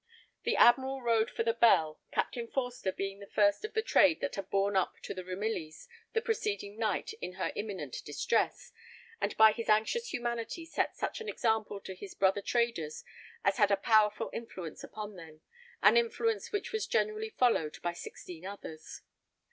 The admiral rowed for the Belle, Captain Forster, being the first of the trade that had borne up to the Ramillies the preceding night in her imminent distress, and by his anxious humanity set such an example to his brother traders as had a powerful influence upon them an influence which was generally followed by sixteen others.